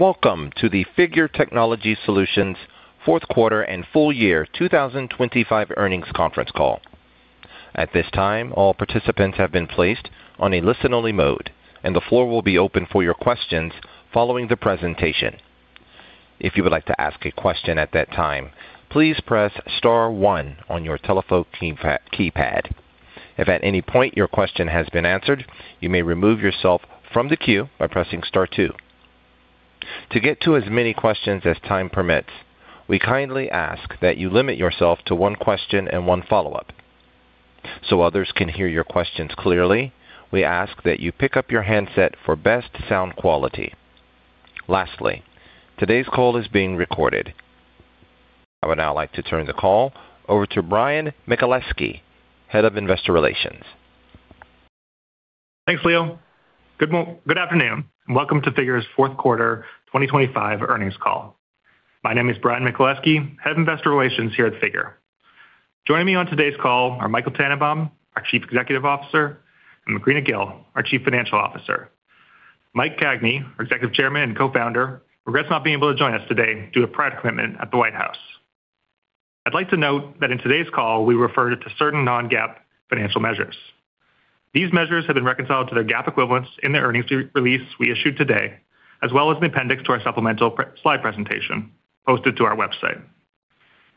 Welcome to the Figure Technology Solutions fourth quarter and full year 2025 earnings conference call. At this time, all participants have been placed on a listen-only mode. The floor will be open for your questions following the presentation. If you would like to ask a question at that time, please press star one on your telephone keypad. If at any point your question has been answered, you may remove yourself from the queue by pressing star two. To get to as many questions as time permits, we kindly ask that you limit yourself to one question and one follow-up. Others can hear your questions clearly, we ask that you pick up your handset for best sound quality. Lastly, today's call is being recorded. I would now like to turn the call over to Bryan Michaleski, Head of Investor Relations. Thanks, Leo. Good afternoon and welcome to Figure's fourth quarter 2025 earnings call. My name is Bryan Michaleski, Head of Investor Relations here at Figure. Joining me on today's call are Michael Tannenbaum, our Chief Executive Officer, and Macrina Kgil, our Chief Financial Officer. Mike Cagney, our Executive Chairman and Co-Founder, regrets not being able to join us today due to prior commitment at the White House. I'd like to note that in today's call, we refer to certain non-GAAP financial measures. These measures have been reconciled to their GAAP equivalents in the earnings release we issued today, as well as an appendix to our supplemental slide presentation posted to our website.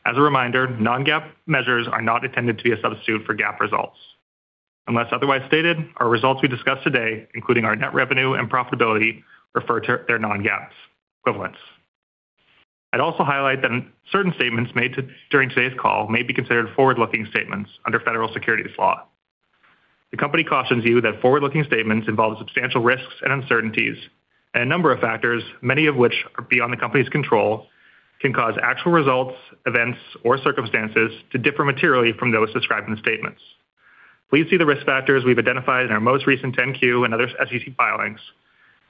As a reminder, non-GAAP measures are not intended to be a substitute for GAAP results. Unless otherwise stated, our results we discussed today, including our net revenue and profitability, refer to their non-GAAP equivalents. I'd also highlight that certain statements made during today's call may be considered forward-looking statements under federal securities law. The company cautions you that forward-looking statements involve substantial risks and uncertainties and a number of factors, many of which are beyond the company's control, can cause actual results, events, or circumstances to differ materially from those described in the statements. Please see the risk factors we've identified in our most recent 10-Q and other SEC filings.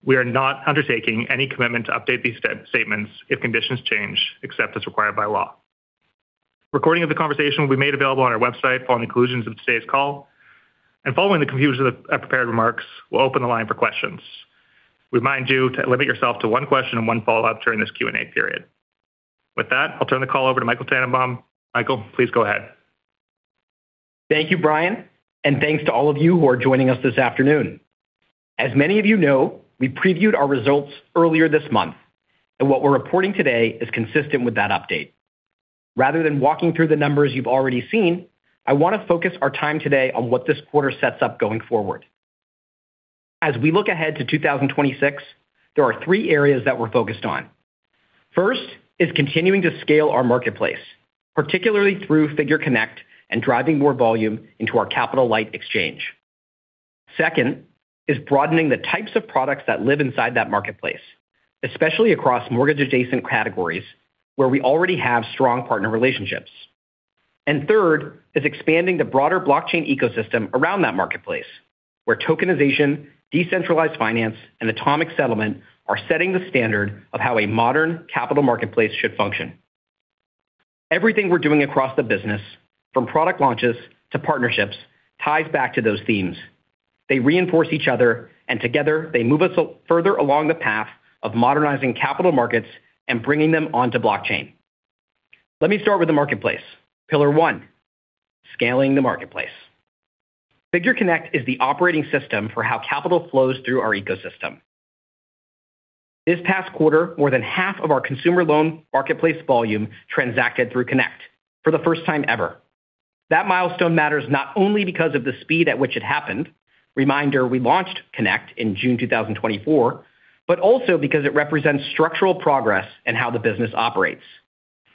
We are not undertaking any commitment to update these statements if conditions change, except as required by law. Recording of the conversation will be made available on our website following the conclusions of today's call. Following the conclusion of the prepared remarks, we'll open the line for questions. Remind you to limit yourself to one question and one follow-up during this Q&A period. With that, I'll turn the call over to Michael Tannenbaum. Michael, please go ahead. Thank you, Bryan. Thanks to all of you who are joining us this afternoon. As many of you know, we previewed our results earlier this month, and what we're reporting today is consistent with that update. Rather than walking through the numbers you've already seen, I want to focus our time today on what this quarter sets up going forward. As we look ahead to 2026, there are three areas that we're focused on. First is continuing to scale our marketplace, particularly through Figure Connect and driving more volume into our capital-light exchange. Second is broadening the types of products that live inside that marketplace, especially across mortgage-adjacent categories where we already have strong partner relationships. Third is expanding the broader blockchain ecosystem around that marketplace, where tokenization, decentralized finance, and atomic settlement are setting the standard of how a modern capital marketplace should function. Everything we're doing across the business, from product launches to partnerships, ties back to those themes. They reinforce each other, and together, they move us further along the path of modernizing capital markets and bringing them onto blockchain. Let me start with the marketplace. Pillar one, scaling the marketplace. Figure Connect is the operating system for how capital flows through our ecosystem. This past quarter, more than half of our consumer loan marketplace volume transacted through Connect for the first time ever. That milestone matters not only because of the speed at which it happened, reminder, we launched Connect in June 2024, but also because it represents structural progress in how the business operates.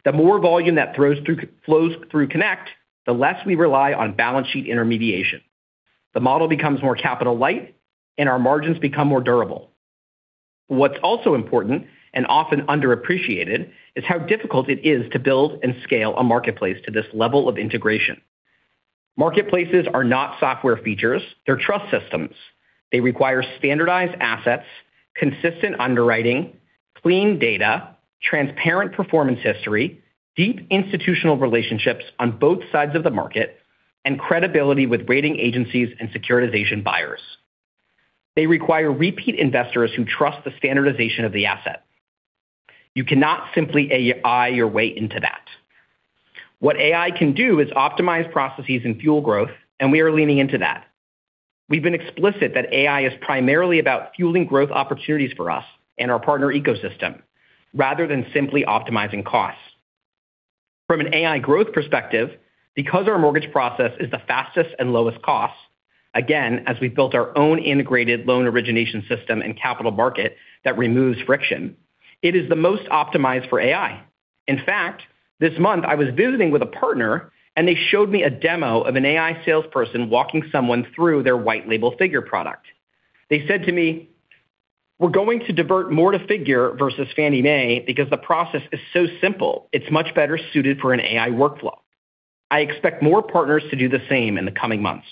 The more volume that flows through Connect, the less we rely on balance sheet intermediation. The model becomes more capital light, and our margins become more durable. What's also important, and often underappreciated, is how difficult it is to build and scale a marketplace to this level of integration. Marketplaces are not software features, they're trust systems. They require standardized assets, consistent underwriting, clean data, transparent performance history, deep institutional relationships on both sides of the market, and credibility with rating agencies and securitization buyers. They require repeat investors who trust the standardization of the asset. You cannot simply AI your way into that. What AI can do is optimize processes and fuel growth, and we are leaning into that. We've been explicit that AI is primarily about fueling growth opportunities for us and our partner ecosystem rather than simply optimizing costs. From an AI growth perspective, because our mortgage process is the fastest and lowest cost, again, as we've built our own integrated loan origination system and capital market that removes friction, it is the most optimized for AI. In fact, this month I was visiting with a partner, and they showed me a demo of an AI salesperson walking someone through their white label Figure product. They said to me, "We're going to divert more to Figure versus Fannie Mae because the process is so simple, it's much better suited for an AI workflow." I expect more partners to do the same in the coming months.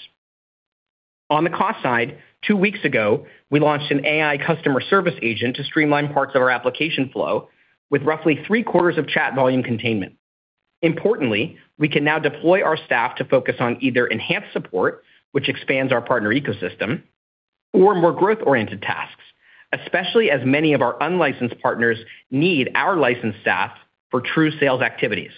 On the cost side, two weeks ago, we launched an AI customer service agent to streamline parts of our application flow with roughly three quarters of chat volume containment. Importantly, we can now deploy our staff to focus on either enhanced support, which expands our partner ecosystem, or more growth-oriented tasks, especially as many of our unlicensed partners need our licensed staff for true sales activities.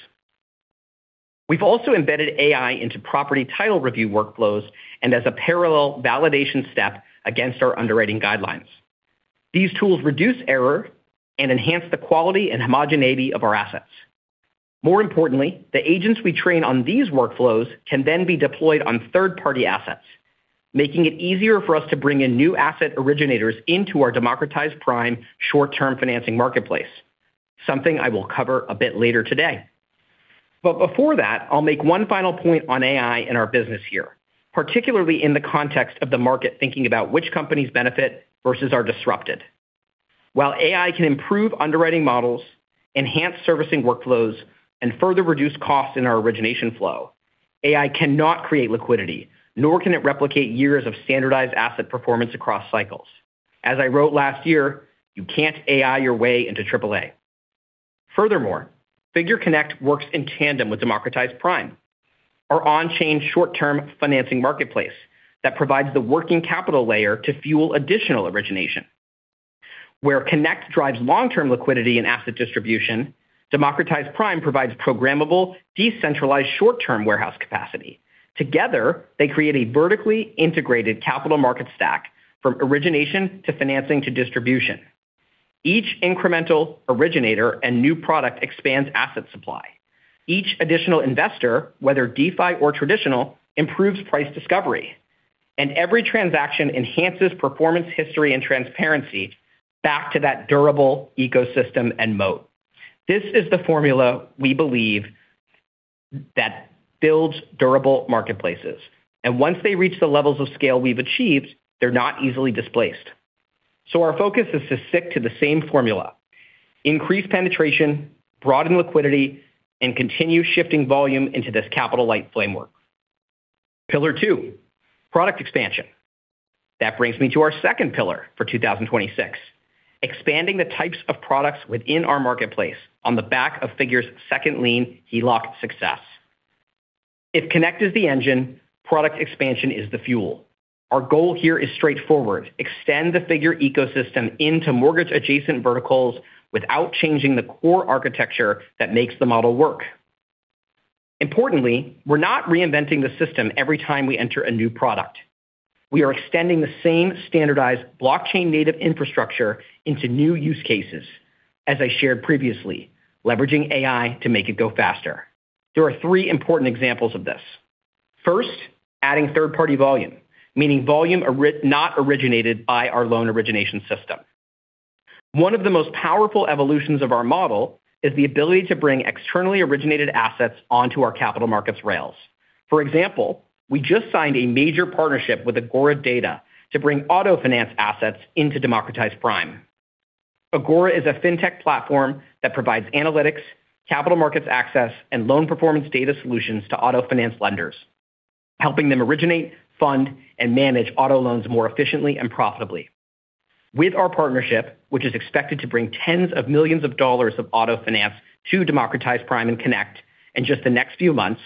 We've also embedded AI into property title review workflows and as a parallel validation step against our underwriting guidelines. These tools reduce error and enhance the quality and homogeneity of our assets. More importantly, the agents we train on these workflows can then be deployed on third-party assets, making it easier for us to bring in new asset originators into our Democratized Prime short-term financing marketplace, something I will cover a bit later today. Before that, I'll make one final point on AI in our business here, particularly in the context of the market thinking about which companies benefit versus are disrupted. While AI can improve underwriting models, enhance servicing workflows, and further reduce costs in our origination flow, AI cannot create liquidity, nor can it replicate years of standardized asset performance across cycles. As I wrote last year, you can't AI your way into AAA. Furthermore, Figure Connect works in tandem with Democratized Prime, our on-chain short-term financing marketplace that provides the working capital layer to fuel additional origination. Where Connect drives long-term liquidity and asset distribution, Democratized Prime provides programmable, decentralized short-term warehouse capacity. Together, they create a vertically integrated capital market stack from origination to financing to distribution. Each incremental originator and new product expands asset supply. Each additional investor, whether DeFi or traditional, improves price discovery. Every transaction enhances performance history and transparency back to that durable ecosystem and moat. This is the formula we believe that builds durable marketplaces. Once they reach the levels of scale we've achieved, they're not easily displaced. Our focus is to stick to the same formula, increase penetration, broaden liquidity, and continue shifting volume into this capital-light framework. Pillar two, product expansion. That brings me to our second pillar for 2026, expanding the types of products within our marketplace on the back of Figure's second lien HELOC success. If Connect is the engine, product expansion is the fuel. Our goal here is straightforward, extend the Figure ecosystem into mortgage-adjacent verticals without changing the core architecture that makes the model work. Importantly, we're not reinventing the system every time we enter a new product. We are extending the same standardized blockchain-native infrastructure into new use cases, as I shared previously, leveraging AI to make it go faster. There are three important examples of this. First, adding third-party volume, meaning volume not originated by our loan origination system. One of the most powerful evolutions of our model is the ability to bring externally originated assets onto our capital markets rails. For example, we just signed a major partnership with Agora Data to bring auto finance assets into Democratized Prime. Agora is a fintech platform that provides analytics, capital markets access, and loan performance data solutions to auto finance lenders, helping them originate, fund, and manage auto loans more efficiently and profitably. With our partnership, which is expected to bring tens of millions of dollars of auto finance to Democratized Prime and Connect in just the next few months,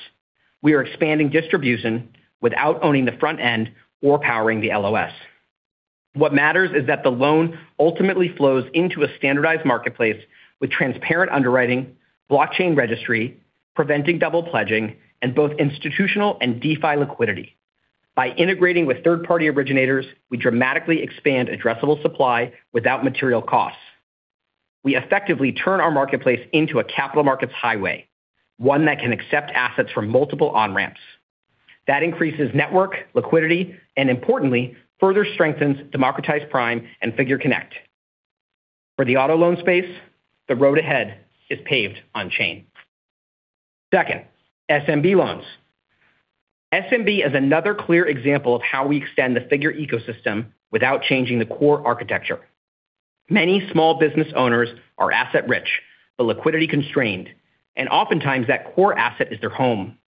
we are expanding distribution without owning the front end or powering the LOS. What matters is that the loan ultimately flows into a standardized marketplace with transparent underwriting, blockchain registry, preventing double pledging, and both institutional and DeFi liquidity. By integrating with third-party originators, we dramatically expand addressable supply without material costs. We effectively turn our marketplace into a capital markets highway, one that can accept assets from multiple on-ramps. That increases network liquidity and importantly, further strengthens Democratized Prime and Figure Connect. For the auto loan space, the road ahead is paved on-chain. Second, SMB loans. SMB is another clear example of how we extend the Figure ecosystem without changing the core architecture. Many small business owners are asset-rich but liquidity-constrained, and oftentimes that core asset is their home.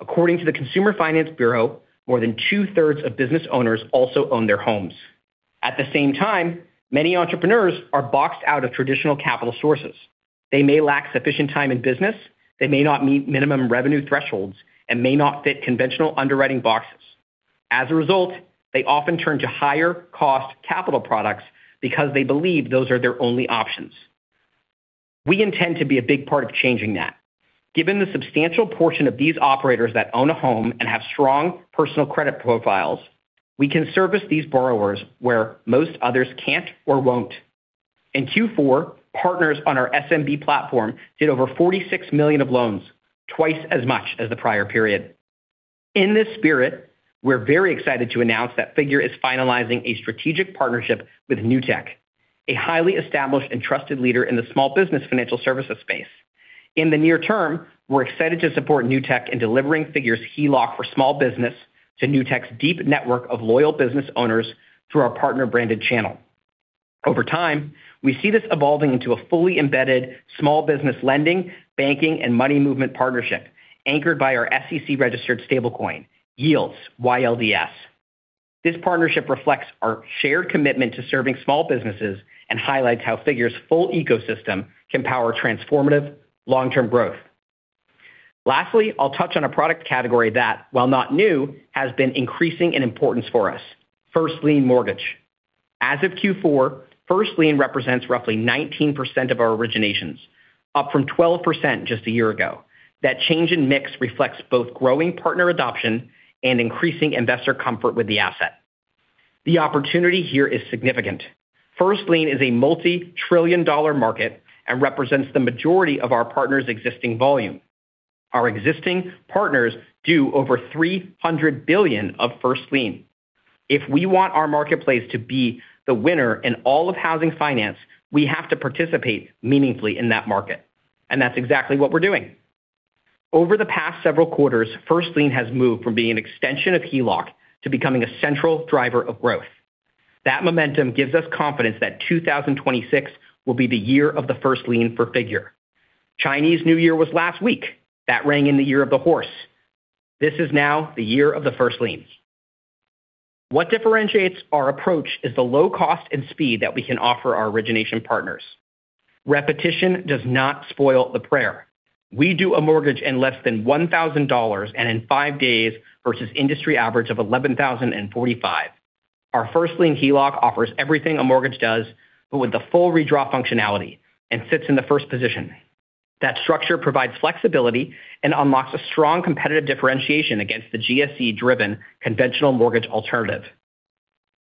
According to the Consumer Finance Bureau, more than 2/3 of business owners also own their homes. At the same time, many entrepreneurs are boxed out of traditional capital sources. They may lack sufficient time in business, they may not meet minimum revenue thresholds, and may not fit conventional underwriting boxes. As a result, they often turn to higher-cost capital products because they believe those are their only options. We intend to be a big part of changing that. Given the substantial portion of these operators that own a home and have strong personal credit profiles, we can service these borrowers where most others can't or won't. In Q4, partners on our SMB platform did over $46 million of loans, twice as much as the prior period. In this spirit, we're very excited to announce that Figure is finalizing a strategic partnership with Newtek, a highly established and trusted leader in the small business financial services space. In the near term, we're excited to support Newtek in delivering Figure's HELOC for small business to Newtek's deep network of loyal business owners through our partner-branded channel. Over time, we see this evolving into a fully embedded small business lending, banking, and money movement partnership anchored by our SEC-registered stablecoin, YLDS, YLDS. This partnership reflects our shared commitment to serving small businesses and highlights how Figure's full ecosystem can power transformative long-term growth. I'll touch on a product category that, while not new, has been increasing in importance for us, first lien mortgage. As of Q4, first lien represents roughly 19% of our originations, up from 12% just a year ago. That change in mix reflects both growing partner adoption and increasing investor comfort with the asset. The opportunity here is significant. First lien is a multi-trillion dollar market and represents the majority of our partners' existing volume. Our existing partners do over $300 billion of first lien. If we want our marketplace to be the winner in all of housing finance, we have to participate meaningfully in that market, and that's exactly what we're doing. Over the past several quarters, first lien has moved from being an extension of HELOC to becoming a central driver of growth. That momentum gives us confidence that 2026 will be the year of the first lien for Figure. Chinese New Year was last week. That rang in the year of the horse. This is now the year of the first liens. What differentiates our approach is the low cost and speed that we can offer our origination partners. Repetition does not spoil the prayer. We do a mortgage in less than $1,000 and in five days versus industry average of $11,045. Our first lien HELOC offers everything a mortgage does, but with the full redraw functionality and sits in the first position. That structure provides flexibility and unlocks a strong competitive differentiation against the GSE-driven conventional mortgage alternative.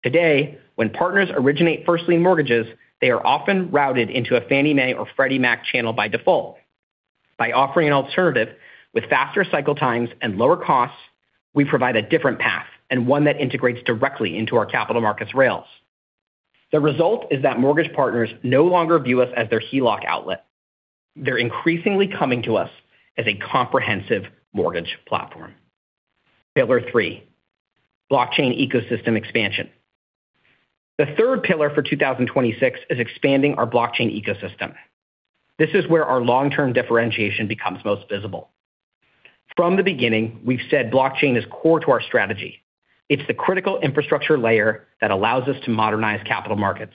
Today, when partners originate first lien mortgages, they are often routed into a Fannie Mae or Freddie Mac channel by default. By offering an alternative with faster cycle times and lower costs, we provide a different path and one that integrates directly into our capital markets rails. The result is that mortgage partners no longer view us as their HELOC outlet. They're increasingly coming to us as a comprehensive mortgage platform. Pillar three, blockchain ecosystem expansion. The third pillar for 2026 is expanding our blockchain ecosystem. This is where our long-term differentiation becomes most visible. From the beginning, we've said blockchain is core to our strategy. It's the critical infrastructure layer that allows us to modernize capital markets.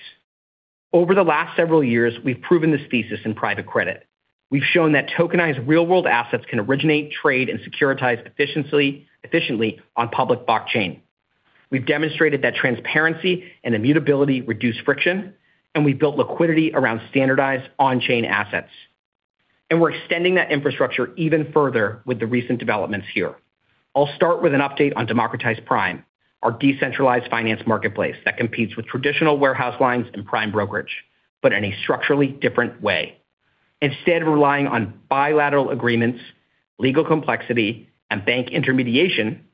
Over the last several years, we've proven this thesis in private credit. We've shown that tokenized real-world assets can originate, trade, and securitize efficiently on public blockchain. We've demonstrated that transparency and immutability reduce friction, and we've built liquidity around standardized on-chain assets. We're extending that infrastructure even further with the recent developments here. I'll start with an update on Democratized Prime, our decentralized finance marketplace that competes with traditional warehouse lines and prime brokerage, but in a structurally different way. Instead of relying on bilateral agreements, legal complexity, and bank intermediation,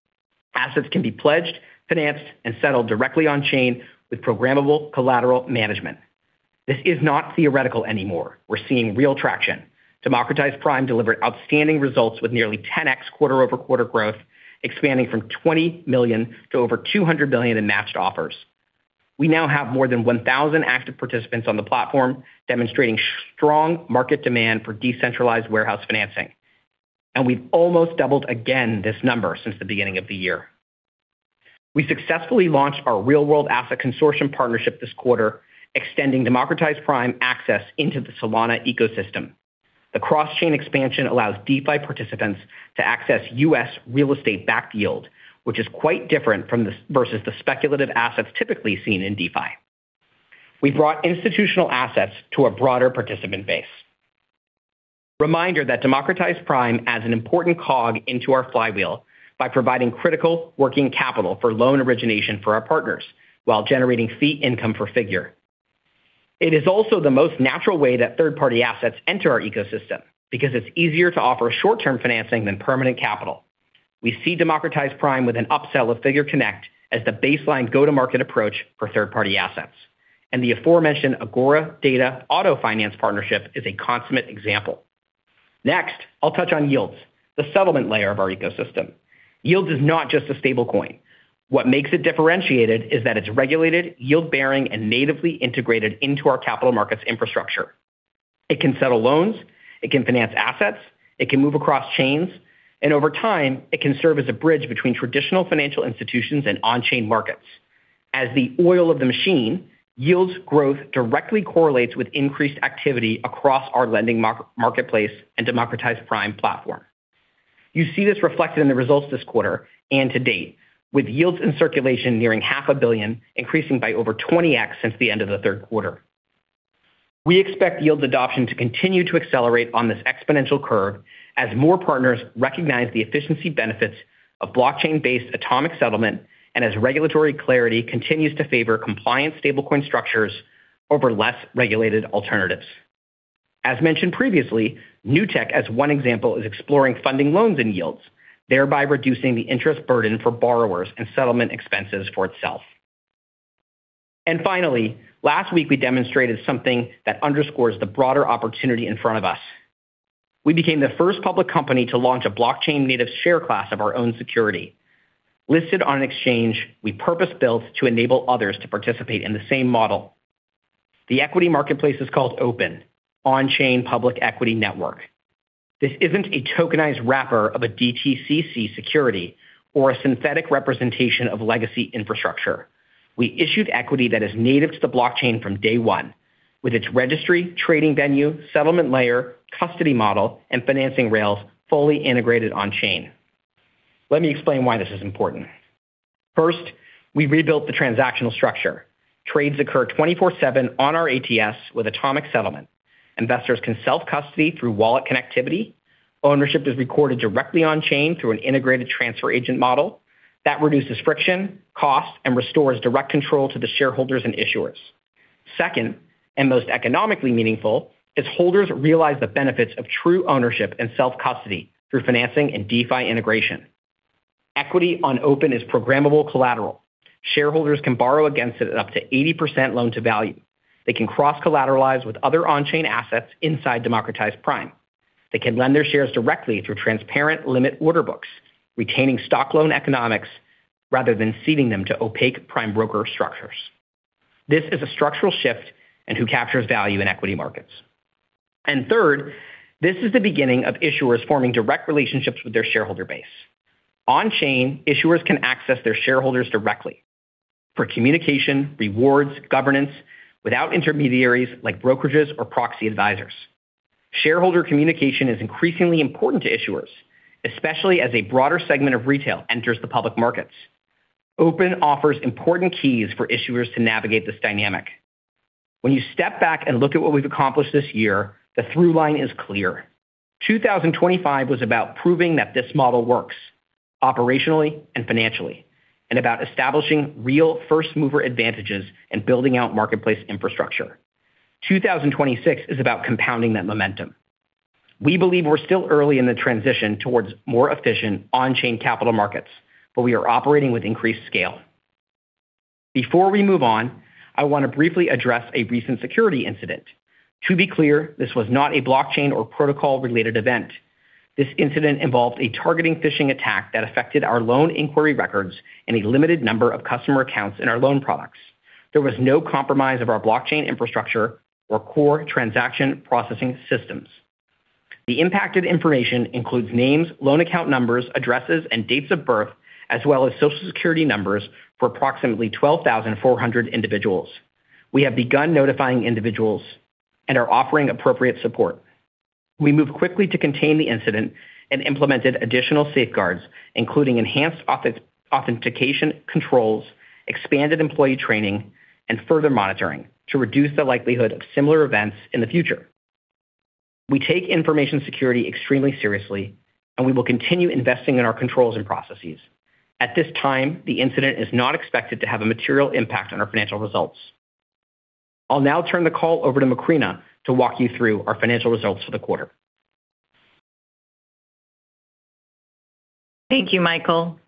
assets can be pledged, financed, and settled directly on-chain with programmable collateral management. This is not theoretical anymore. We're seeing real traction. Democratized Prime delivered outstanding results with nearly 10x quarter-over-quarter growth, expanding from $20 million to over $200 billion in matched offers. We now have more than 1,000 active participants on the platform, demonstrating strong market demand for decentralized warehouse financing. We've almost doubled again this number since the beginning of the year. We successfully launched our Real-World Asset Consortium partnership this quarter, extending Democratized Prime access into the Solana ecosystem. The cross-chain expansion allows DeFi participants to access U.S. real estate-backed yield, which is quite different versus the speculative assets typically seen in DeFi. We've brought institutional assets to a broader participant base. Reminder that Democratized Prime adds an important cog into our flywheel by providing critical working capital for loan origination for our partners while generating fee income for Figure. It is also the most natural way that third-party assets enter our ecosystem because it's easier to offer short-term financing than permanent capital. We see Democratized Prime with an upsell of Figure Connect as the baseline go-to-market approach for third-party assets. The aforementioned Agora Data auto finance partnership is a consummate example. Next, I'll touch on YLDS, the settlement layer of our ecosystem. YLDS is not just a stablecoin. What makes it differentiated is that it's regulated, yield-bearing, and natively integrated into our capital markets infrastructure. It can settle loans, it can finance assets, it can move across chains, and over time, it can serve as a bridge between traditional financial institutions and on-chain markets. As the oil of the machine, YLDS growth directly correlates with increased activity across our lending marketplace and Democratized Prime platform. You see this reflected in the results this quarter and to date, with YLDS in circulation nearing half a billion, increasing by over 20x since the end of the third quarter. We expect YLDS adoption to continue to accelerate on this exponential curve as more partners recognize the efficiency benefits of blockchain-based atomic settlement and as regulatory clarity continues to favor compliant stablecoin structures over less regulated alternatives. As mentioned previously, Newtek, as one example, is exploring funding loans in YLDS, thereby reducing the interest burden for borrowers and settlement expenses for itself. Finally, last week, we demonstrated something that underscores the broader opportunity in front of us. We became the first public company to launch a blockchain-native share class of our own security. Listed on an exchange, we purpose-built to enable others to participate in the same model. The equity marketplace is called OPEN, On-Chain Public Equity Network. This isn't a tokenized wrapper of a DTCC security or a synthetic representation of legacy infrastructure. We issued equity that is native to the blockchain from day one, with its registry, trading venue, settlement layer, custody model, and financing rails fully integrated on chain. Let me explain why this is important. First, we rebuilt the transactional structure. Trades occur 24/7 on our ATS, with atomic settlement. Investors can self-custody through wallet connectivity. Ownership is recorded directly on chain through an integrated transfer agent model that reduces friction, cost, and restores direct control to the shareholders and issuers. Second, and most economically meaningful, is holders realize the benefits of true ownership and self-custody through financing and DeFi integration. Equity on OPEN is programmable collateral. Shareholders can borrow against it at up to 80% loan-to-value. They can cross-collateralize with other on-chain assets inside Democratized Prime. They can lend their shares directly through transparent limit order books, retaining stock loan economics rather than ceding them to opaque prime broker structures. This is a structural shift in who captures value in equity markets. Third, this is the beginning of issuers forming direct relationships with their shareholder base. On chain, issuers can access their shareholders directly for communication, rewards, governance without intermediaries like brokerages or proxy advisors. Shareholder communication is increasingly important to issuers, especially as a broader segment of retail enters the public markets. OPEN offers important keys for issuers to navigate this dynamic. When you step back and look at what we've accomplished this year, the through line is clear. 2025 was about proving that this model works operationally and financially, and about establishing real first-mover advantages and building out marketplace infrastructure. 2026 is about compounding that momentum. We believe we're still early in the transition towards more efficient on-chain capital markets, but we are operating with increased scale. Before we move on, I want to briefly address a recent security incident. To be clear, this was not a blockchain or protocol-related event. This incident involved a targeting phishing attack that affected our loan inquiry records and a limited number of customer accounts in our loan products. There was no compromise of our blockchain infrastructure or core transaction processing systems. The impacted information includes names, loan account numbers, addresses, and dates of birth, as well as Social Security numbers for approximately 12,400 individuals. We have begun notifying individuals and are offering appropriate support. We moved quickly to contain the incident and implemented additional safeguards, including enhanced authentication controls, expanded employee training, and further monitoring to reduce the likelihood of similar events in the future. We take information security extremely seriously, and we will continue investing in our controls and processes. At this time, the incident is not expected to have a material impact on our financial results. I'll now turn the call over to Macrina to walk you through our financial results for the quarter. Thank you, Michael.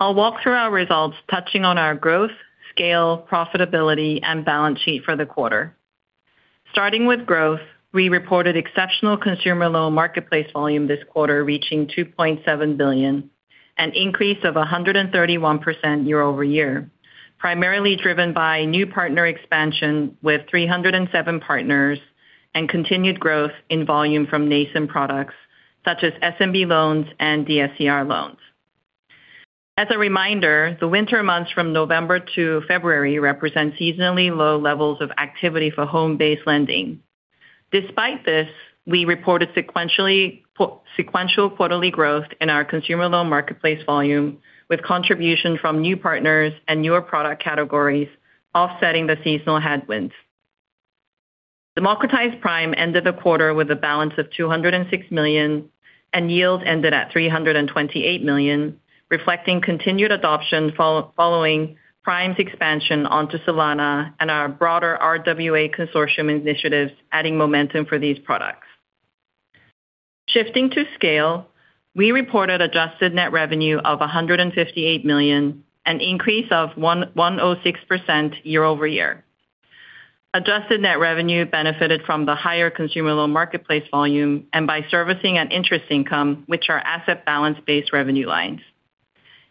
I'll walk through our results touching on our growth, scale, profitability, and balance sheet for the quarter. With growth, we reported exceptional consumer loan marketplace volume this quarter, reaching $2.7 billion, an increase of 131% year-over-year, primarily driven by new partner expansion with 307 partners and continued growth in volume from nascent products such as SMB loans and DSCR loans. As a reminder, the winter months from November to February represent seasonally low levels of activity for home-based lending. Despite this, we reported sequential quarterly growth in our consumer loan marketplace volume, with contribution from new partners and newer product categories offsetting the seasonal headwinds. Democratized Prime ended the quarter with a balance of $206 million, and YLDS ended at $328 million, reflecting continued adoption following Prime's expansion onto Solana and our broader RWA Consortium initiatives adding momentum for these products. Shifting to scale, we reported adjusted net revenue of $158 million, an increase of 106% year-over-year. Adjusted net revenue benefited from the higher consumer loan marketplace volume and by servicing and interest income, which are asset balance-based revenue lines.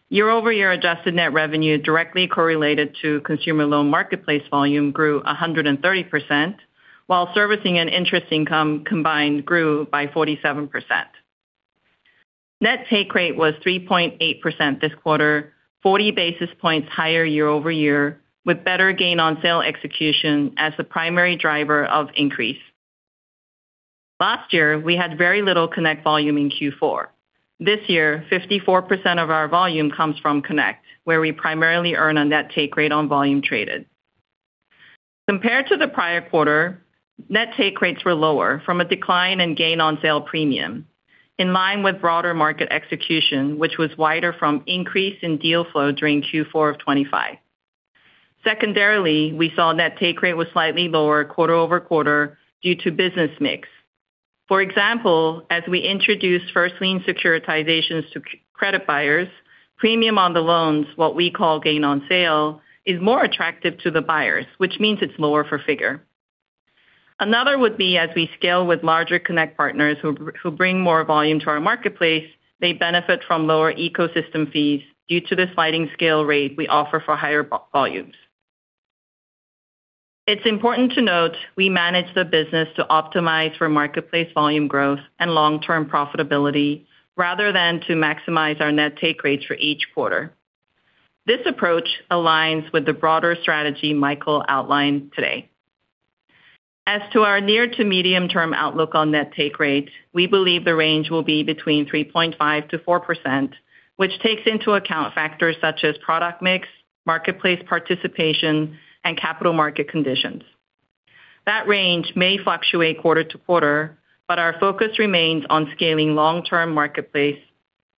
Year-over-year adjusted net revenue directly correlated to consumer loan marketplace volume grew 130%, while servicing and interest income combined grew by 47%. Net take rate was 3.8% this quarter, 40 basis points higher year-over-year, with better gain on sale execution as the primary driver of increase. Last year, we had very little Connect volume in Q4. This year, 54% of our volume comes from Connect, where we primarily earn a net take rate on volume traded. Compared to the prior quarter, net take rates were lower from a decline in gain on sale premium, in line with broader market execution, which was wider from increase in deal flow during Q4 of 2025. Secondarily, we saw net take rate was slightly lower quarter-over-quarter due to business mix. For example, as we introduced first lien securitizations to credit buyers, premium on the loans, what we call gain on sale, is more attractive to the buyers, which means it's lower for Figure. Another would be as we scale with larger Connect partners who bring more volume to our marketplace, they benefit from lower ecosystem fees due to the sliding scale rate we offer for higher volumes. It's important to note we manage the business to optimize for marketplace volume growth and long-term profitability, rather than to maximize our net take rates for each quarter. This approach aligns with the broader strategy Michael outlined today. To our near to medium-term outlook on net take rates, we believe the range will be between 3.5%-4%, which takes into account factors such as product mix, marketplace participation, and capital market conditions. That range may fluctuate quarter to quarter, but our focus remains on scaling long-term marketplace,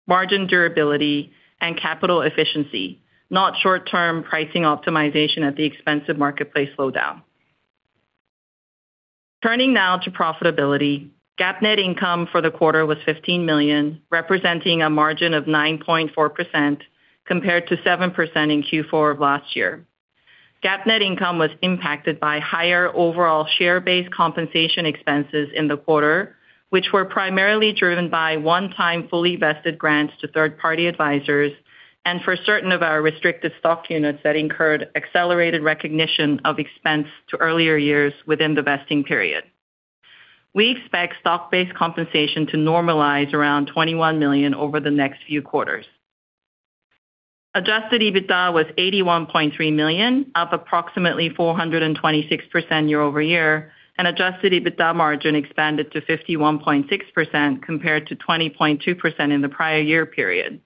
margin durability, and capital efficiency, not short-term pricing optimization at the expense of marketplace slowdown. Turning now to profitability. GAAP net income for the quarter was $15 million, representing a margin of 9.4% compared to 7% in Q4 of last year. GAAP net income was impacted by higher overall share-based compensation expenses in the quarter, which were primarily driven by one-time fully vested grants to third-party advisors and for certain of our restricted stock units that incurred accelerated recognition of expense to earlier years within the vesting period. We expect stock-based compensation to normalize around $21 million over the next few quarters. Adjusted EBITDA was $81.3 million, up approximately 426% year-over-year, and adjusted EBITDA margin expanded to 51.6% compared to 20.2% in the prior year period.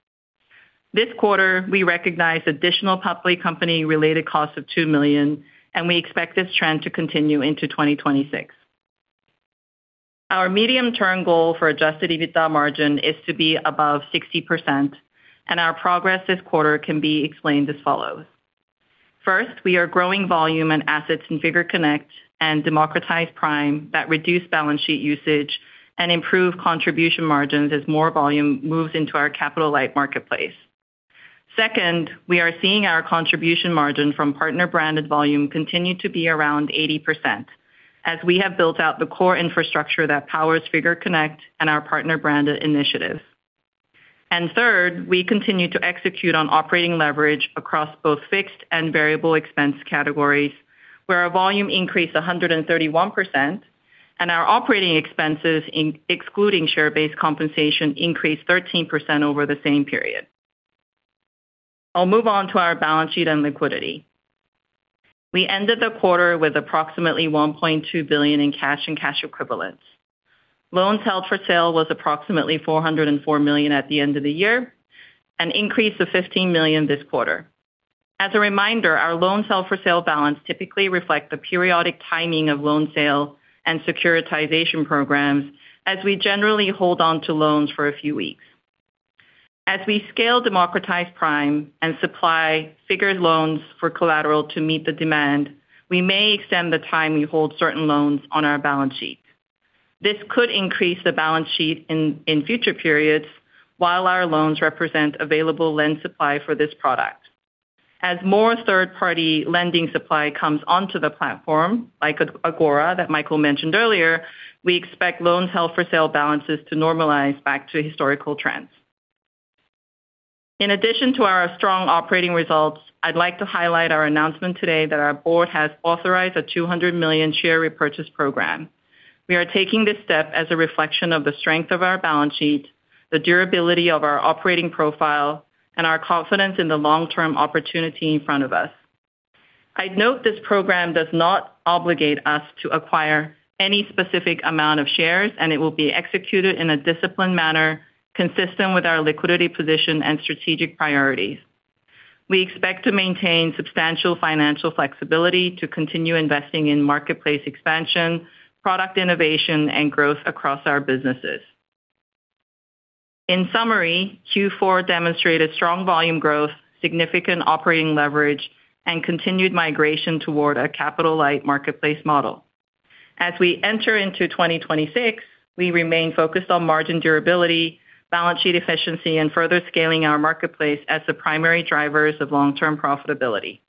This quarter, we recognized additional public company-related costs of $2 million, and we expect this trend to continue into 2026. Our medium-term goal for adjusted EBITDA margin is to be above 60%. Our progress this quarter can be explained as follows: First, we are growing volume and assets in Figure Connect and Democratized Prime that reduce balance sheet usage and improve contribution margins as more volume moves into our capital-light marketplace. Second, we are seeing our contribution margin from partner-branded volume continue to be around 80% as we have built out the core infrastructure that powers Figure Connect and our partner branded initiatives. Third, we continue to execute on operating leverage across both fixed and variable expense categories, where our volume increased 131% and our operating expenses, excluding share-based compensation, increased 13% over the same period. I'll move on to our balance sheet and liquidity. We ended the quarter with approximately $1.2 billion in cash and cash equivalents. Loans held for sale was approximately $404 million at the end of the year, an increase of $15 million this quarter. As a reminder, our loans held for sale balance typically reflect the periodic timing of loan sale and securitization programs, as we generally hold on to loans for a few weeks. As we scale Democratized Prime and supply Figure loans for collateral to meet the demand, we may extend the time we hold certain loans on our balance sheet. This could increase the balance sheet in future periods, while our loans represent available lend supply for this product. As more third-party lending supply comes onto the platform, like Agora that Michael mentioned earlier, we expect loans held for sale balances to normalize back to historical trends. In addition to our strong operating results, I'd like to highlight our announcement today that our Board has authorized a $200 million share repurchase program. We are taking this step as a reflection of the strength of our balance sheet, the durability of our operating profile, and our confidence in the long-term opportunity in front of us. I'd note this program does not obligate us to acquire any specific amount of shares, and it will be executed in a disciplined manner, consistent with our liquidity position and strategic priorities. We expect to maintain substantial financial flexibility to continue investing in marketplace expansion, product innovation, and growth across our businesses. In summary, Q4 demonstrated strong volume growth, significant operating leverage, and continued migration toward a capital-light marketplace model. As we enter into 2026, we remain focused on margin durability, balance sheet efficiency, and further scaling our marketplace as the primary drivers of long-term profitability.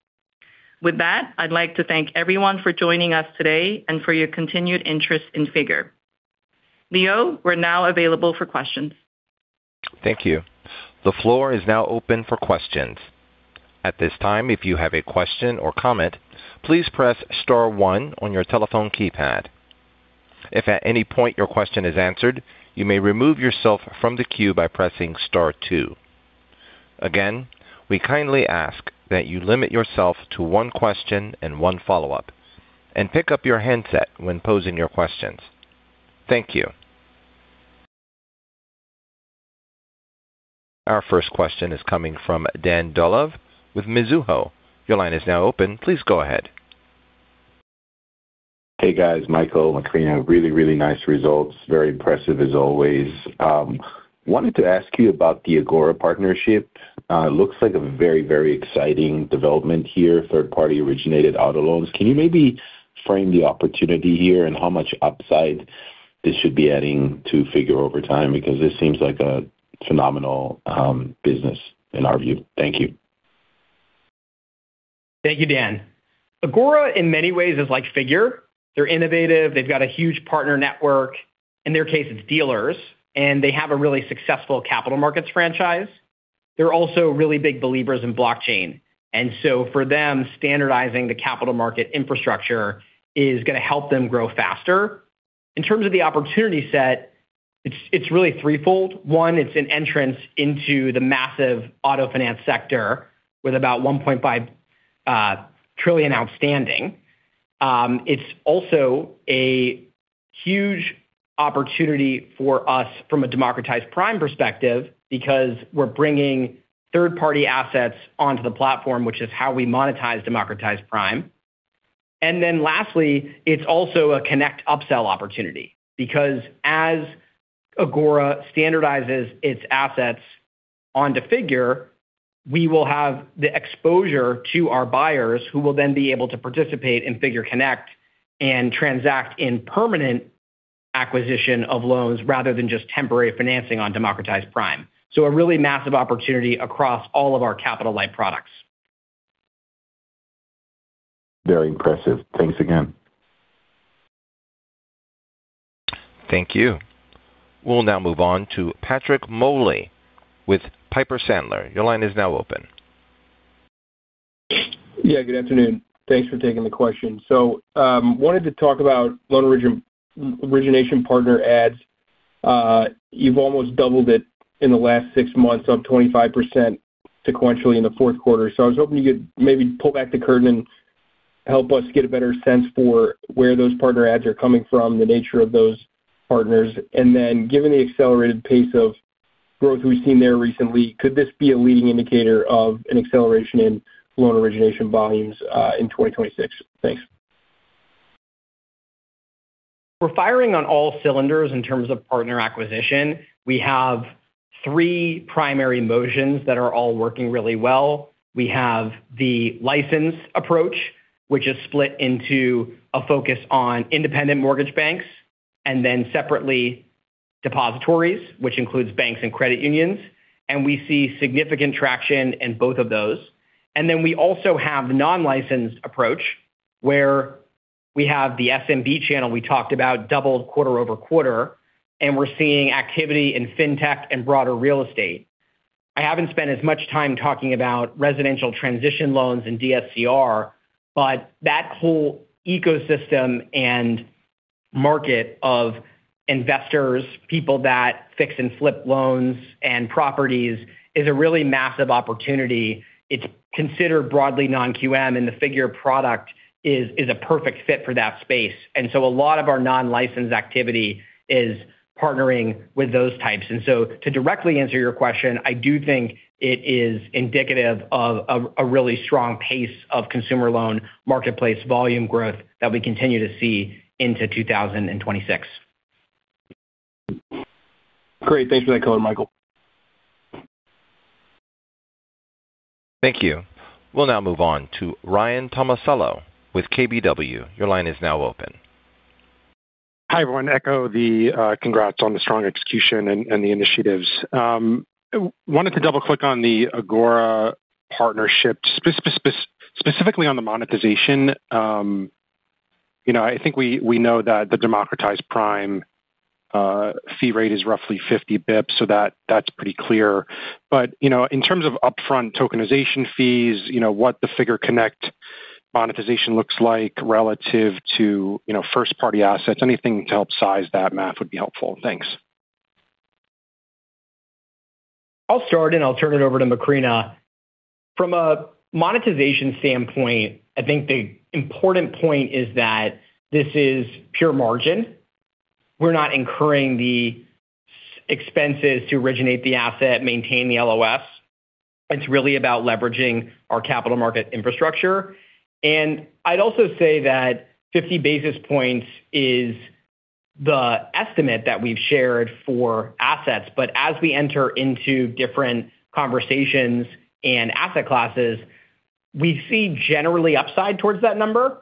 With that, I'd like to thank everyone for joining us today and for your continued interest in Figure. Leo, we're now available for questions. Thank you. The floor is now open for questions. At this time, if you have a question or comment, please press star one on your telephone keypad. If at any point your question is answered, you may remove yourself from the queue by pressing star two. Again, we kindly ask that you limit yourself to one question and one follow-up, and pick up your handset when posing your questions. Thank you. Our first question is coming from Dan Dolev with Mizuho. Your line is now open. Please go ahead. Hey, guys. Michael, Macrina, really nice results. Very impressive, as always. Wanted to ask you about the Agora partnership. It looks like a very exciting development here, third-party originated auto loans. Can you maybe frame the opportunity here and how much upside this should be adding to Figure over time? This seems like a phenomenal business in our view. Thank you. Thank you, Dan. Agora, in many ways, is like Figure. They're innovative, they've got a huge partner network. In their case, it's dealers, and they have a really successful capital markets franchise. They're also really big believers in blockchain. For them, standardizing the capital market infrastructure is going to help them grow faster. In terms of the opportunity set, it's really threefold. One, it's an entrance into the massive auto finance sector with about $1.5 trillion outstanding. It's also a huge opportunity for us from a Democratized Prime perspective, because we're bringing third-party assets onto the platform, which is how we monetize Democratized Prime. Lastly, it is also a connect upsell opportunity, because as Agora standardizes its assets onto Figure, we will have the exposure to our buyers, who will then be able to participate in Figure Connect and transact in permanent acquisition of loans, rather than just temporary financing on Democratized Prime. A really massive opportunity across all of our capital-light products. Very impressive. Thanks again. Thank you. We'll now move on to Patrick Moley with Piper Sandler. Your line is now open. Good afternoon. Thanks for taking the question. Wanted to talk about loan origination partner adds. You've almost doubled it in the last six months, up 25% sequentially in the fourth quarter. I was hoping you could maybe pull back the curtain and help us get a better sense for where those partner adds are coming from, the nature of those partners. Given the accelerated pace of growth we've seen there recently, could this be a leading indicator of an acceleration in loan origination volumes in 2026? Thanks. We're firing on all cylinders in terms of partner acquisition. We have three primary motions that are all working really well. We have the license approach, which is split into a focus on independent mortgage banks, and then separately, depositories, which includes banks and credit unions, and we see significant traction in both of those. We also have the non-licensed approach, where we have the SMB channel we talked about, doubled quarter-over-quarter, and we're seeing activity in fintech and broader real estate. I haven't spent as much time talking about residential transition loans and DSCR, but that whole ecosystem and market of investors, people that fix and flip loans and properties, is a really massive opportunity. It's considered broadly non-QM, and the Figure product is a perfect fit for that space. A lot of our non-licensed activity is partnering with those types. To directly answer your question, I do think it is indicative of a really strong pace of consumer loan marketplace volume growth that we continue to see into 2026. Great. Thanks for that color, Michael. Thank you. We'll now move on to Ryan Tomasello with KBW. Your line is now open. Hi, everyone. Echo the congrats on the strong execution and the initiatives. Wanted to double-click on the Agora partnership, specifically on the monetization. You know, I think we know that the Democratized Prime fee rate is roughly 50 basis points, so that's pretty clear. You know, in terms of upfront tokenization fees, you know, what the Figure Connect monetization looks like relative to, you know, first-party assets. Anything to help size that math would be helpful. Thanks. I'll start, and I'll turn it over to Macrina. From a monetization standpoint, I think the important point is that this is pure margin. We're not incurring the expenses to originate the asset, maintain the LOS. It's really about leveraging our capital market infrastructure. I'd also say that 50 basis points is the estimate that we've shared for assets, but as we enter into different conversations and asset classes, we see generally upside towards that number.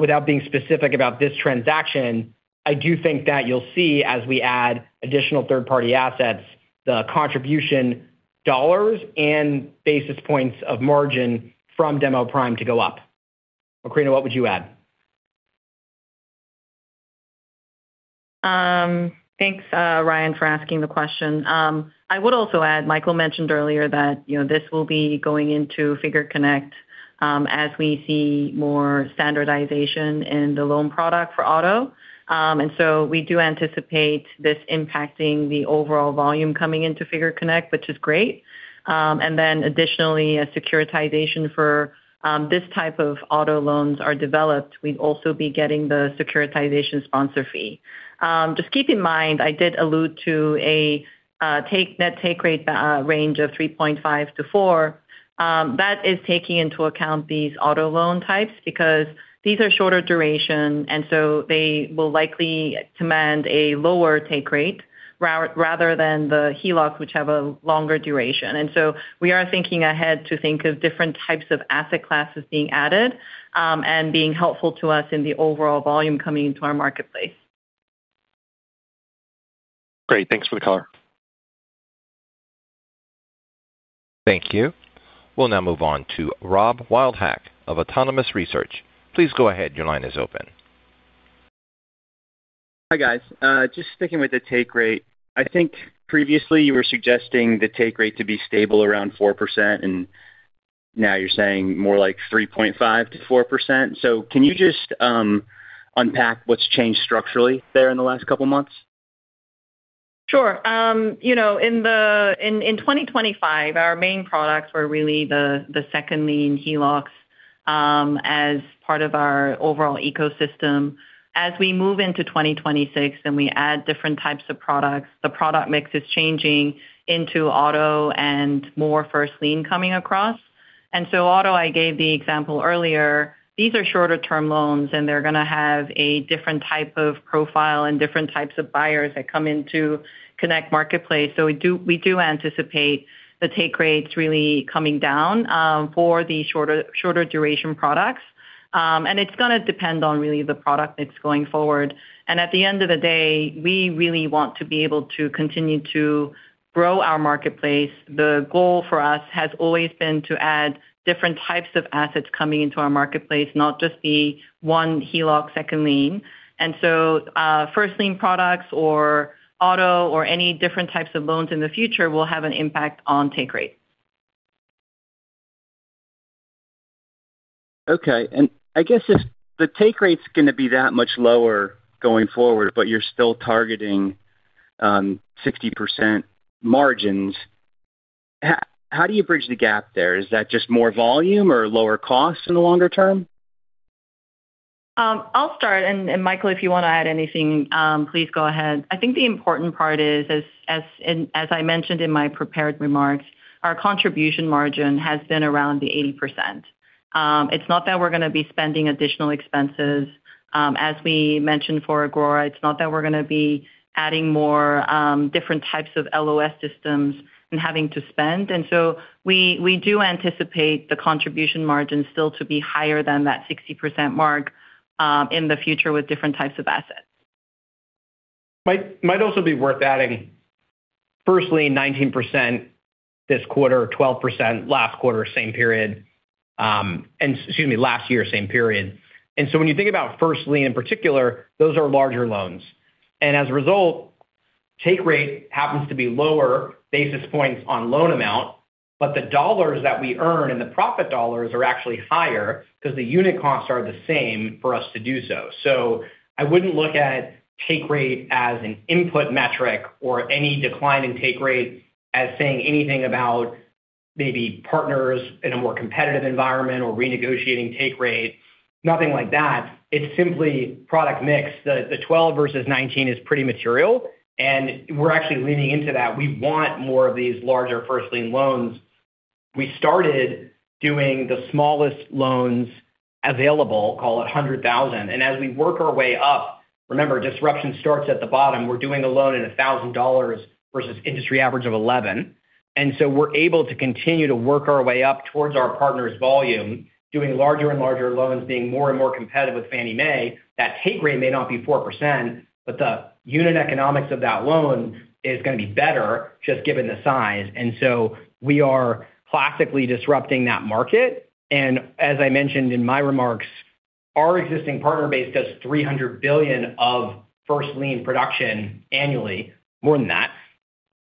Without being specific about this transaction, I do think that you'll see, as we add additional third-party assets, the contribution dollars and basis points of margin from Demo Prime to go up. Macrina, what would you add? Thanks, Ryan, for asking the question. I would also add, Michael mentioned earlier that, you know, this will be going into Figure Connect, as we see more standardization in the loan product for auto. We do anticipate this impacting the overall volume coming into Figure Connect, which is great. Additionally, a securitization for this type of auto loans are developed. We'd also be getting the securitization sponsor fee. Just keep in mind, I did allude to a net take rate range of 3.5%-4%. That is taking into account these auto loan types, because these are shorter duration, and so they will likely command a lower take rate rather than the HELOC, which have a longer duration. We are thinking ahead to think of different types of asset classes being added, and being helpful to us in the overall volume coming into our marketplace. Great. Thanks for the color. Thank you. We'll now move on to Rob Wildhack of Autonomous Research. Please go ahead. Your line is open. Hi, guys. Just sticking with the take rate. I think previously you were suggesting the take rate to be stable around 4%, and now you're saying more like 3.5%-4%. Can you just unpack what's changed structurally there in the last couple of months? Sure. You know, in 2025, our main products were really the second lien HELOCs, as part of our overall ecosystem. As we move into 2026 and we add different types of products, the product mix is changing into auto and more first lien coming across. Auto, I gave the example earlier. These are shorter-term loans, and they're going to have a different type of profile and different types of buyers that come into Connect marketplace. We do anticipate the take rates really coming down for the shorter duration products. It's gonna depend on really the product mix going forward. At the end of the day, we really want to be able to continue to grow our marketplace. The goal for us has always been to add different types of assets coming into our marketplace, not just the one HELOC second lien. First lien products or auto or any different types of loans in the future will have an impact on take rate. Okay. I guess if the take rate's gonna be that much lower going forward, but you're still targeting, 60% margins, how do you bridge the gap there? Is that just more volume or lower costs in the longer term? I'll start. Michael, if you want to add anything, please go ahead. I think the important part is as I mentioned in my prepared remarks, our contribution margin has been around the 80%. It's not that we're gonna be spending additional expenses. As we mentioned for Agora, it's not that we're gonna be adding more, different types of LOS systems and having to spend. So we do anticipate the contribution margin still to be higher than that 60% mark, in the future with different types of assets. Might also be worth adding. First lien 19% this quarter, 12% last quarter, same period. Excuse me, last year, same period. When you think about first lien in particular, those are larger loans. As a result, take rate happens to be lower basis points on loan amount, but the dollars that we earn and the profit dollars are actually higher because the unit costs are the same for us to do so. I wouldn't look at take rate as an input metric or any decline in take rate as saying anything about maybe partners in a more competitive environment or renegotiating take rate. Nothing like that. It's simply product mix. The 12% versus 19% is pretty material, and we're actually leaning into that. We want more of these larger first lien loans. We started doing the smallest loans available, call it $100,000. As we work our way up, remember, disruption starts at the bottom. We're doing a loan at $1,000 versus industry average of $11,000. We're able to continue to work our way up towards our partners' volume, doing larger and larger loans, being more and more competitive with Fannie Mae. That take rate may not be 4%, but the unit economics of that loan is gonna be better just given the size. We are classically disrupting that market. As I mentioned in my remarks, our existing partner base does $300 billion of first lien production annually, more than that,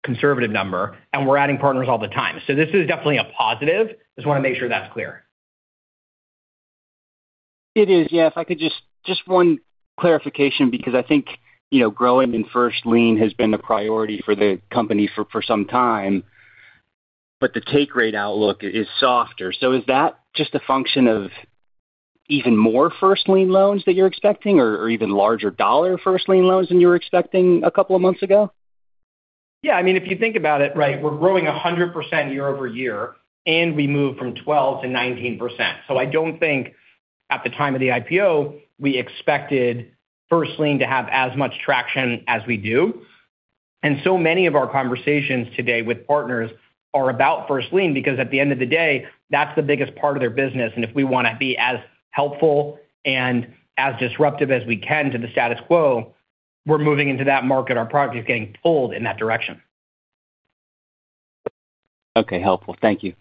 conservative number, and we're adding partners all the time. This is definitely a positive. Just wanna make sure that's clear. It is. Yeah. If I could just one clarification, because I think, you know, growing in first lien has been the priority for the company for some time, but the take rate outlook is softer. Is that just a function of even more first lien loans that you're expecting or even larger dollar first lien loans than you were expecting a couple of months ago? Yeah. I mean, if you think about it, right, we're growing 100% year-over-year, and we moved from 12% to 19%. I don't think at the time of the IPO, we expected first lien to have as much traction as we do. Many of our conversations today with partners are about first lien because at the end of the day, that's the biggest part of their business. If we wanna be as helpful and as disruptive as we can to the status quo, we're moving into that market. Our product is getting pulled in that direction. Okay. Helpful. Thank you.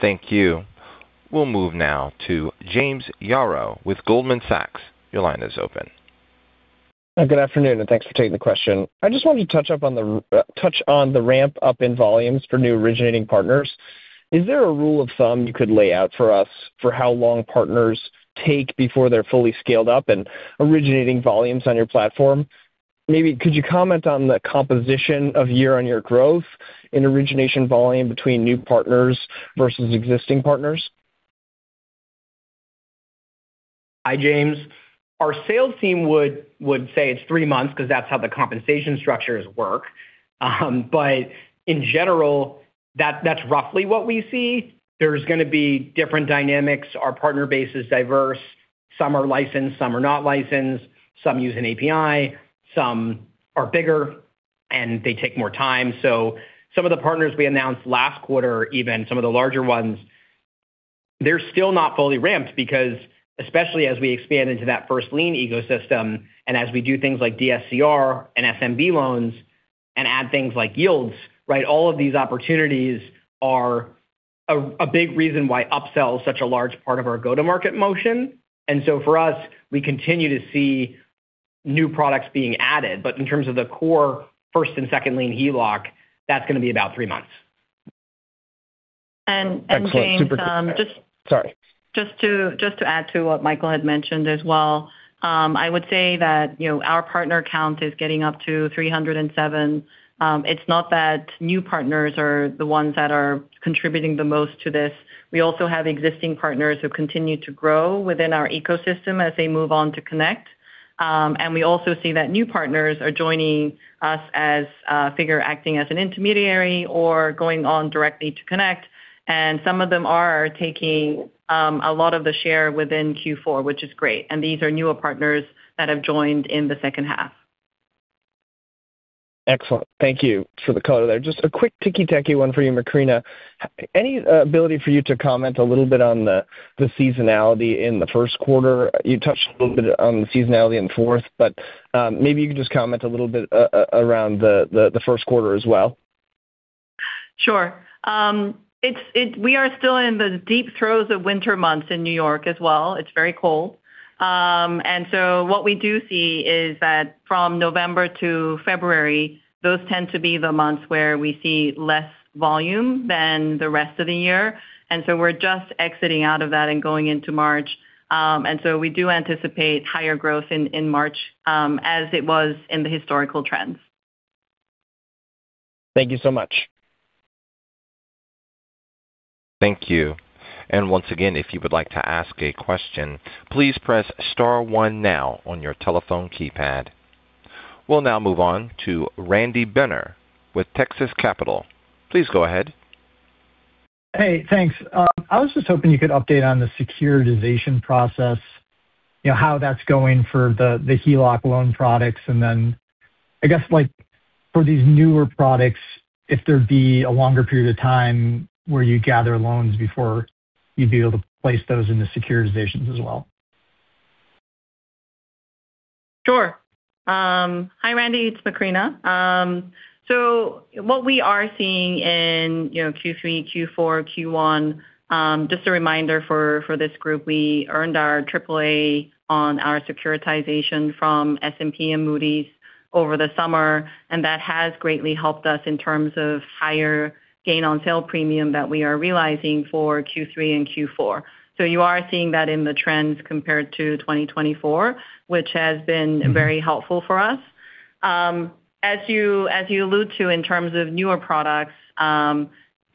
Thank you. We'll move now to James Yaro with Goldman Sachs. Your line is open. Good afternoon, thanks for taking the question. I just wanted to touch on the ramp-up in volumes for new originating partners. Is there a rule of thumb you could lay out for us for how long partners take before they're fully scaled up and originating volumes on your platform? Maybe could you comment on the composition of year-on-year growth in origination volume between new partners versus existing partners? Hi, James. Our sales team would say it's three months because that's how the compensation structures work. In general, that's roughly what we see. There's gonna be different dynamics. Our partner base is diverse. Some are licensed, some are not licensed, some use an API, some are bigger, and they take more time. Some of the partners we announced last quarter, even some of the larger ones, they're still not fully ramped because especially as we expand into that first lien ecosystem, and as we do things like DSCR and SMB loans and add things like YLDS, right? All of these opportunities are a big reason why upsell is such a large part of our go-to-market motion. For us, we continue to see new products being added. In terms of the core, first and second lien HELOC, that's going to be about three months. James. Sorry. Just to add to what Michael had mentioned as well. I would say that, you know, our partner count is getting up to 307. It's not that new partners are the ones that are contributing the most to this. We also have existing partners who continue to grow within our ecosystem as they move on to Connect. We also see that new partners are joining us as Figure acting as an intermediary or going on directly to Connect, and some of them are taking a lot of the share within Q4, which is great, and these are newer partners that have joined in the second half. Excellent. Thank you for the color there. Just a quick ticky-tacky one for you, Macrina. Any ability for you to comment a little bit on the seasonality in the first quarter? You touched a little bit on the seasonality in fourth. Maybe you could just comment a little bit around the first quarter as well. Sure. We are still in the deep throes of winter months in New York as well. It's very cold. What we do see is that from November to February, those tend to be the months where we see less volume than the rest of the year, and so we're just exiting out of that and going into March. We do anticipate higher growth in March, as it was in the historical trends. Thank you so much. Thank you. Once again, if you would like to ask a question, please press star one now on your telephone keypad. We'll now move on to Randy Binner with Texas Capital. Please go ahead. Hey, thanks. I was just hoping you could update on the securitization process, you know, how that's going for the HELOC loan products. I guess, like for these newer products, if there'd be a longer period of time where you gather loans before you'd be able to place those in the securitizations as well. Sure. Hi, Randy, it's Macrina. What we are seeing in, you know, Q3, Q4, Q1, just a reminder for this group, we earned our AAA on our securitization from S&P and Moody's over the summer, and that has greatly helped us in terms of higher gain on sale premium that we are realizing for Q3 and Q4. You are seeing that in the trends compared to 2024, which has been very helpful for us. As you, as you allude to in terms of newer products,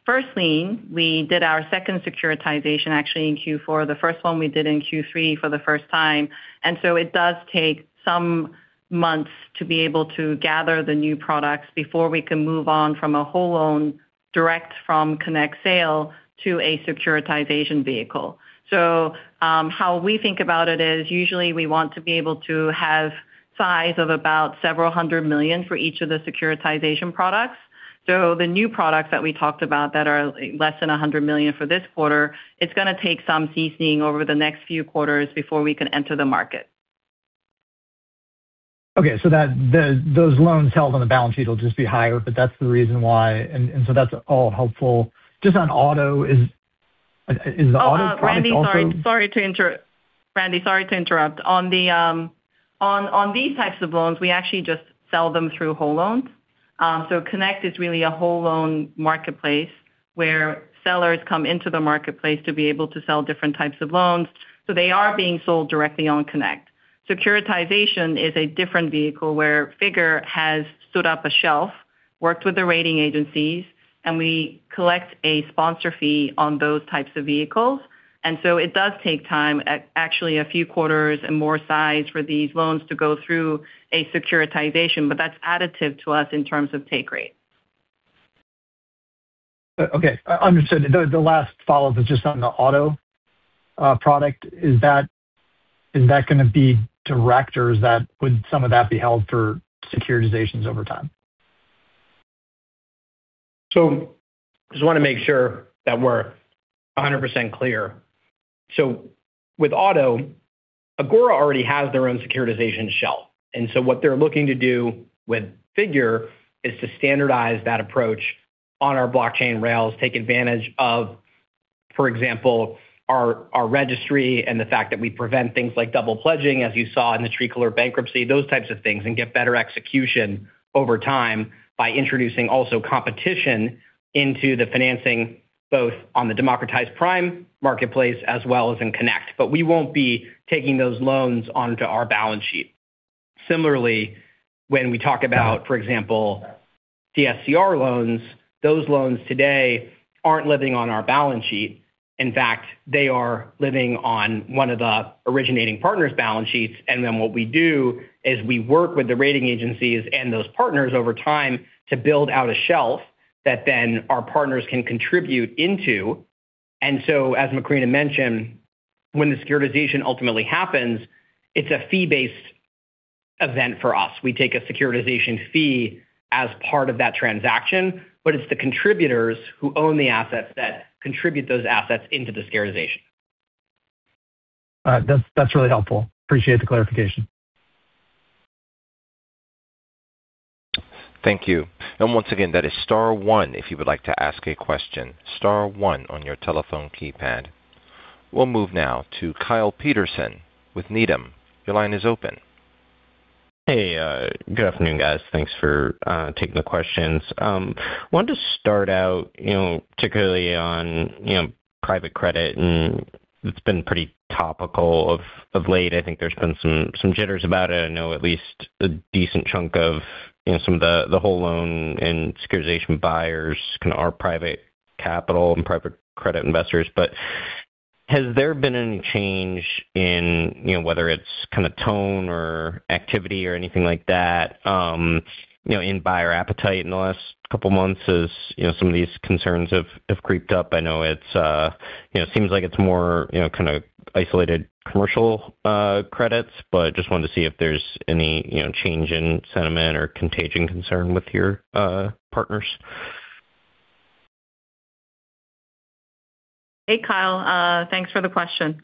first lien, we did our second securitization actually in Q4. The first one we did in Q3 for the first time, it does take some months to be able to gather the new products before we can move on from a whole loan direct from Connect sale to a securitization vehicle. How we think about it is usually we want to be able to have size of about several hundred million for each of the securitization products. The new products that we talked about that are less than $100 million for this quarter, it's going to take some seasoning over the next few quarters before we can enter the market. Okay. Those loans held on the balance sheet will just be higher, but that's the reason why, and so that's all helpful. Just on auto, is the auto product also? Randy, sorry to interrupt. On these types of loans, we actually just sell them through whole loans. Connect is really a whole loan marketplace where sellers come into the marketplace to be able to sell different types of loans, so they are being sold directly on Connect. Securitization is a different vehicle where Figure has stood up a shelf, worked with the rating agencies, and we collect a sponsor fee on those types of vehicles. It does take time, actually a few quarters and more size for these loans to go through a securitization, but that's additive to us in terms of take rate. Okay, understood. The last follow-up is just on the auto product. Is that going to be direct, or would some of that be held for securitizations over time? Just want to make sure that we're 100% clear. With auto, Agora already has their own securitization shelf, and so what they're looking to do with Figure is to standardize that approach on our blockchain rails, take advantage of, for example, our registry and the fact that we prevent things like double pledging, as you saw in the Tricolor bankruptcy, those types of things, and get better execution over time by introducing also competition into the financing, both on the Democratized Prime marketplace as well as in Connect. We won't be taking those loans onto our balance sheet. Similarly, when we talk about, for example, DSCR loans, those loans today aren't living on our balance sheet. In fact, they are living on one of the originating partners' balance sheets. What we do is we work with the rating agencies and those partners over time to build out a shelf that then our partners can contribute into. As Macrina mentioned, when the securitization ultimately happens, it's a fee-based event for us. We take a securitization fee as part of that transaction, but it's the contributors who own the assets that contribute those assets into the securitization. All right. That's really helpful. Appreciate the clarification. Thank you. Once again, that is star one if you would like to ask a question. Star 1 on your telephone keypad. We'll move now to Kyle Peterson with Needham. Your line is open. Hey, good afternoon, guys. Thanks for taking the questions. Wanted to start out, you know, particularly on, you know, private credit, and it's been pretty topical of late. I think there's been some jitters about it. I know at least a decent chunk of, you know, some of the whole loan and securitization buyers kind of are private capital and private credit investors. Has there been any change in, you know, whether it's kind of tone or activity or anything like that, you know, in buyer appetite in the last couple months as, you know, some of these concerns have creeped up? I know it's, you know, seems like it's more, you know, kind of isolated commercial credits, but just wanted to see if there's any, you know, change in sentiment or contagion concern with your partners. Hey, Kyle, thanks for the question.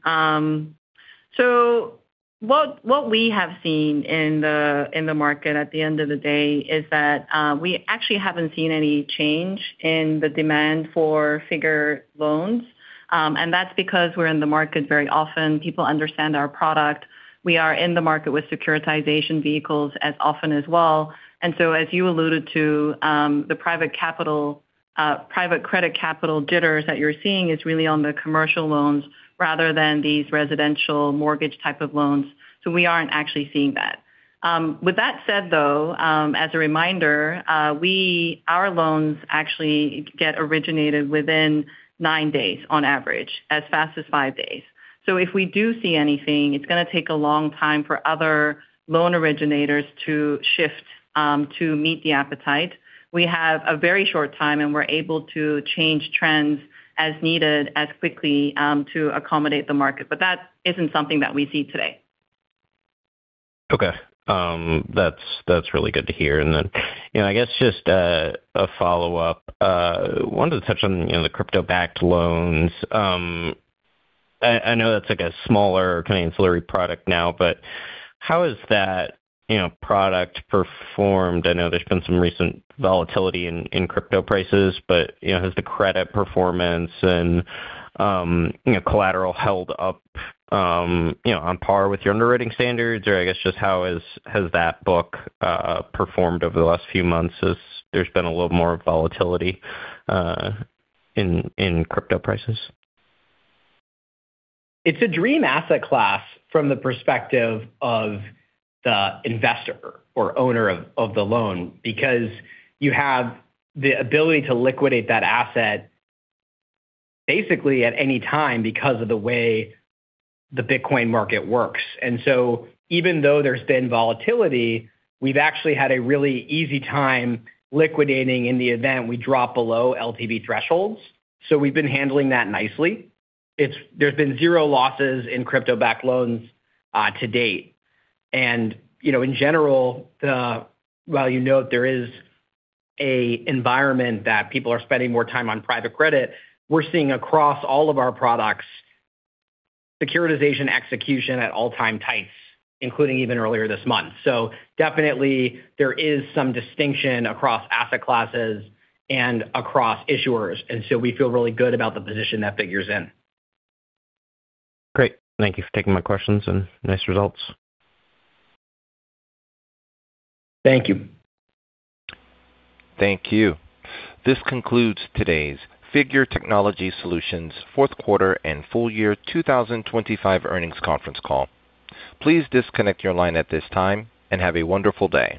What we have seen in the market at the end of the day is that we actually haven't seen any change in the demand for Figure loans. That's because we're in the market very often. People understand our product. We are in the market with securitization vehicles as often as well. As you alluded to, the private capital, private credit capital jitters that you're seeing is really on the commercial loans rather than these residential mortgage type of loans. We aren't actually seeing that. With that said, though, as a reminder, our loans actually get originated within nine days on average, as fast as 5 days. If we do see anything, it's going to take a long time for other loan originators to shift to meet the appetite. We have a very short time, and we're able to change trends as needed as quickly to accommodate the market. That isn't something that we see today. Okay. That's really good to hear. Then, you know, I guess just a follow-up. Wanted to touch on, you know, the crypto-backed loans. I know that's, like, a smaller kind of ancillary product now, but how has that, you know, product performed? I know there's been some recent volatility in crypto prices, but, you know, has the credit performance and, you know, collateral held up, you know, on par with your underwriting standards? I guess just how has that book performed over the last few months as there's been a little more volatility in crypto prices? It's a dream asset class from the perspective of the investor or owner of the loan, because you have the ability to liquidate that asset basically at any time because of the way the Bitcoin market works. Even though there's been volatility, we've actually had a really easy time liquidating in the event we drop below LTV thresholds. We've been handling that nicely. There's been zero losses in crypto-backed loans to date. You know, in general, while you note there is an environment that people are spending more time on private credit, we're seeing across all of our products, securitization execution at all-time tights, including even earlier this month. Definitely there is some distinction across asset classes and across issuers, and so we feel really good about the position that Figure's in. Great. Thank you for taking my questions. Nice results. Thank you. Thank you. This concludes today's Figure Technology Solutions fourth quarter and full year 2025 earnings conference call. Please disconnect your line at this time and have a wonderful day.